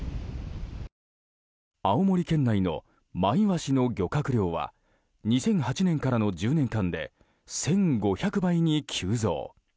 青森県内のマイワシの漁獲量は２００８年からの１０年間で１５００倍に急増。